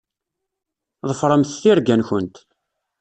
Ḍefṛemt tirga-nkent.